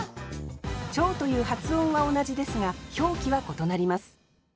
「ちょう」という発音は同じですが表記は異なります。